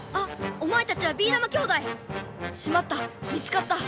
おまえたちはビーだま兄弟！しまった見つかった！